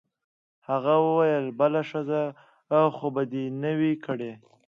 هغې وویل: بله ښځه خو به دي نه وي کړې؟